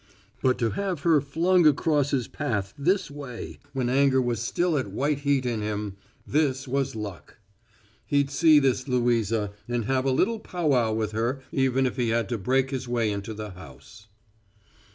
But to have her flung across his path this way when anger was still at white heat in him this was luck! He'd see this Louisa and have a little powwow with her even if he had to break his way into the house.